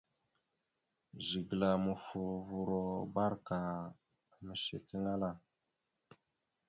Zigəla mofoləvoro barəka ameshekeŋala.